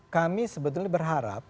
kami sebetulnya berharap